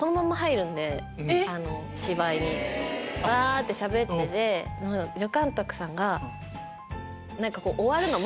えっ⁉わってしゃべってて助監督さんが。